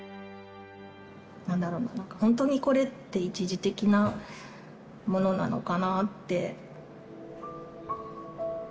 なんだろう、本当にこれって一時的なものなのかなって。